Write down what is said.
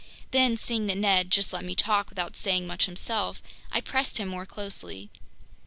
Then, seeing that Ned just let me talk without saying much himself, I pressed him more closely.